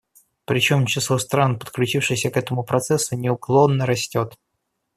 Причем число стран, подключившихся к этому процессу, неуклонно растет.